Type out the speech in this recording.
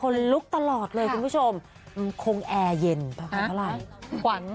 ลุกตลอดเลยคุณผู้ชมคงแอร์เย็นประมาณเท่าไหร่ขวัญ